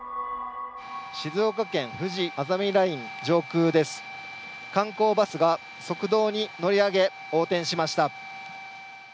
静岡県ふじあざみライン上空です、観光バスが側道に乗り上げ横転しました。